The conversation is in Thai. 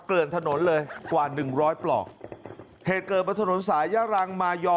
เกลือนถนนเลยกว่าหนึ่งร้อยปลอกเหตุเกิดบนถนนสายย่ารังมายอ